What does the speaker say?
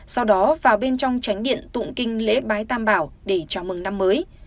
sau đó vào bên trong tránh điện tụng kinh lễ bái tam bảo để chào mừng năm mới